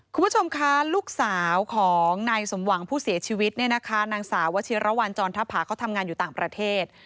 คุณผู้ชมคะลูกสาวของนายสมหวังผู้เสียชีวิตเนี่ยนะคะนางสาววชิรวรรณจรทภาเขาทำงานอยู่ต่างประเทศ